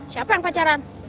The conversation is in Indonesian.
siapa yang pacaran